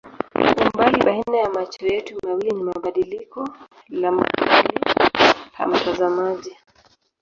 Umbali baina ya macho yetu mawili ni badiliko la mahali pa mtazamaji.